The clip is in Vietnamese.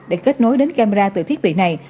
để kết nối đến camera từ thiết bị này